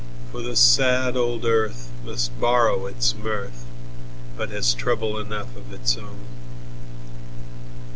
For the sad old earth must borrow it's mirth, But has trouble enough of it's own.